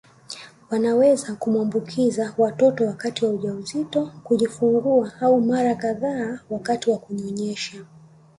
Wanaweza kumwaambukiza watoto wakati wa ujauzito kujifungua au mara kadhaa wakati wa kuwanyonyesha